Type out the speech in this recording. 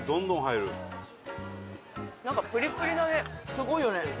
すごいよね。